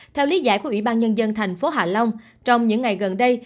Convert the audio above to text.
theo lý giải của ủy ban nhân dân thành phố hạ long trong những ngày gần đây